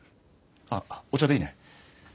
あっお茶でいいね。